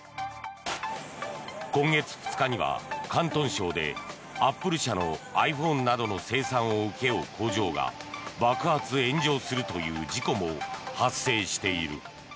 今月２日には、広東省でアップル社のｉＰｈｏｎｅなどの生産を請け負う工場が爆発炎上するという事故も発生している。